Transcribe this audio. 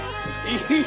いい！